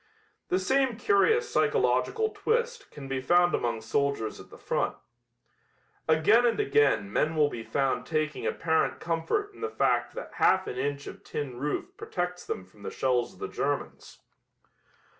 The same curious psychological twist can be found among soldiers at the front. Again and again men will be found taking apparent comfort in the fact that half an inch of tin roof protects them from the shells of the Germans.